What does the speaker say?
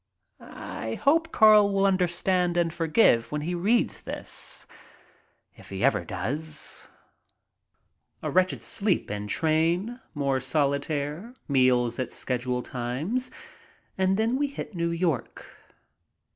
I hope Carl will understand and forgive when he reads this, if he ever does. A wretched sleep en train, more solitaire, meals at schedule times, and then we hit New York.